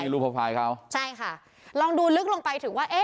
รูปโปรไฟล์เขาใช่ค่ะลองดูลึกลงไปถึงว่าเอ๊ะ